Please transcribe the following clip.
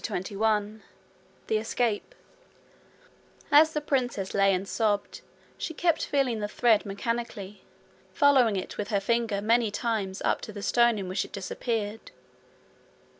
CHAPTER 21 The Escape As the princess lay and sobbed she kept feeling the thread mechanically, following it with her finger many times up to the stones in which it disappeared.